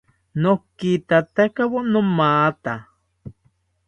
Nokithatakawo nomatha